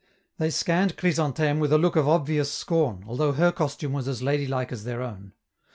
They scanned Chrysantheme with a look of obvious scorn, although her costume was as ladylike as their own.